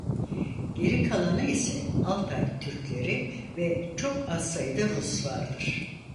Geri kalanı ise Altay Türkleri ve çok az sayıda Rus vardır.